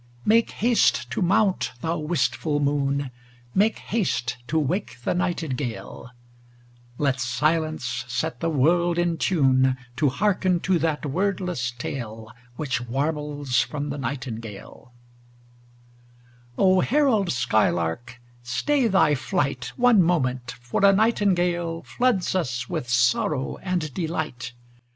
Make haste to mount, thou wistful moon, Make haste to wake the nightingale: Let silence set the world in tune To hearken to that wordless tale Which warbles from the nightingale O herald skylark, stay thy flight One moment, for a nightingale Floods us with sorrow and delight.